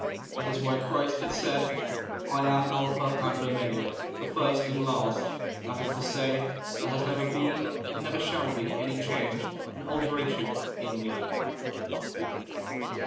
That is why Christ has said :' I am Alpha and Omega, the first and the last ': that is to say, there has never been and never shall be any change and alteration in me.